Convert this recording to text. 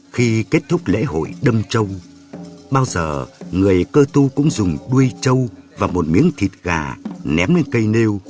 khi kết thúc lễ hội đâm châu bao giờ người cơ tu cũng dùng đuôi châu và một miếng thịt gà ném lên cây nêu